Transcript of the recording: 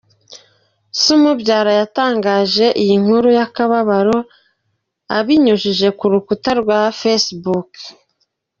Se umubyara yatangaje iyi nkuru y’akababaro abinyujije ku rukuta rwe rwa facebook.